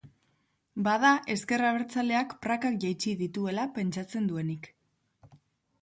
Bada ezker abertzaleak prakak jaitsi dituela pentsatzen duenik.